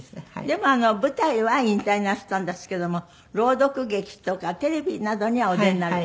でも舞台は引退なすったんですけども朗読劇とかテレビなどにはお出になる？